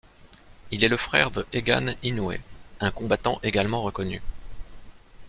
Il est le frère de Egan Inoue, un combattant également reconnu.